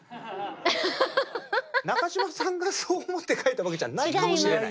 中島さんがそう思って書いたわけじゃないかもしれない。